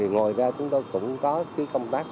ngồi ra chúng tôi cũng có công tác